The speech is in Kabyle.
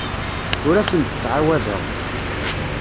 Ur asen-d-ttɛawadeɣ.